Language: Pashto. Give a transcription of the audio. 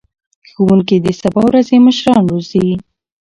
ښوونکي د سبا ورځې مشران روزي.